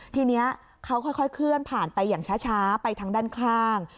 ทีนี้เขาค่อยเคลื่อนผ่านไปอย่างช้าไปทางด้านข้าง